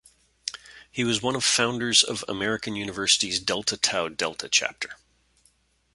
He was one of founders of American University's Delta Tau Delta chapter.